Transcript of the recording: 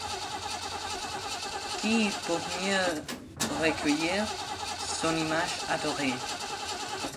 Qui, pour mieux recueillir son image adorée